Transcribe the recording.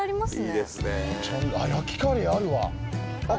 焼きカレーあるわ。